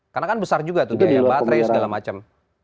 karena kan besar juga tuh dayanya baterai segala macam